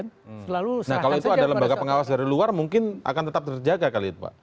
nah kalau itu ada lembaga pengawas dari luar mungkin akan tetap terjaga kali itu pak